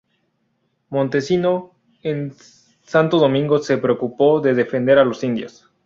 Montesino, en Santo Domingo, se preocupó de defender a los indios.